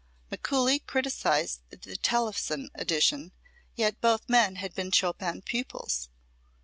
Mikuli criticised the Tellefsen edition, yet both men had been Chopin pupils.